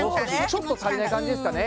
ちょっと足りない感じですかね？